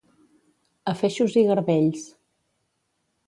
A feixos i garbells.